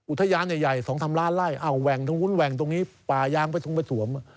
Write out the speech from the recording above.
อุทยานใหญ่สองทำร้านไล่เอ้าแหว่งตรงนู้นแหว่งตรงนี้ป่ายางไปสวม